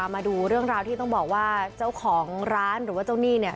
มาดูเรื่องราวที่ต้องบอกว่าเจ้าของร้านหรือว่าเจ้าหนี้เนี่ย